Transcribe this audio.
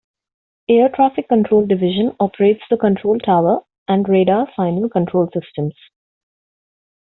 Air Traffic Control Division operates the control tower and radar final control systems.